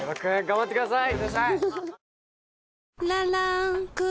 頑張ってください！